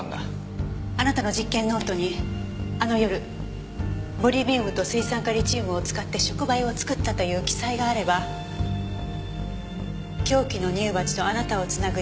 あなたの実験ノートにあの夜ボリビウムと水酸化リチウムを使って触媒を作ったという記載があれば凶器の乳鉢とあなたを繋ぐ重要な証拠になります。